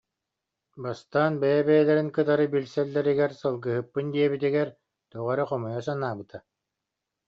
Бастаан бэйэ-бэйэлэрин кытары билсэл- лэригэр сылгыһыппын диэбитигэр тоҕо эрэ хомойо санаабыта